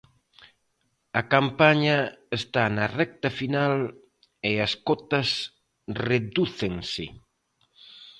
A campaña está na recta final e as cotas redúcense.